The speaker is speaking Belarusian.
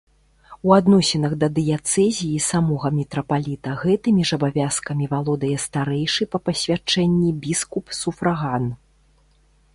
У адносінах да дыяцэзіі самога мітрапаліта гэтымі ж абавязкамі валодае старэйшы па пасвячэнні біскуп-суфраган.